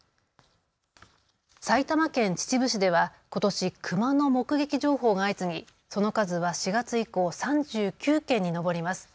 埼玉県秩父市ではことし、クマの目撃情報が相次ぎその数は４月以降、３９件に上ります。